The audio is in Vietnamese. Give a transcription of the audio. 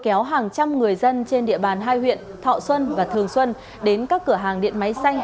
kéo hàng trăm người dân trên địa bàn hai huyện thọ xuân và thường xuân đến các cửa hàng điện máy xanh